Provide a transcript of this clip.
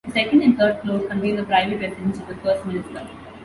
The second and third floors contain the private residence of the First Minister.